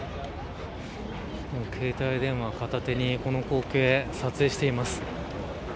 携帯電話片手にこの光景撮影しています。